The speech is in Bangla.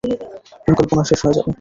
পরিকল্পনা শেষ হয়ে যাবে।